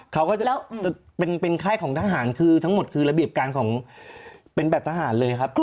เขาก็จะเป็นค่ายของทหารคือทั้งหมดคือระเบียบการของเป็นแบบทหารเลยครับ